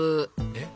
えっ？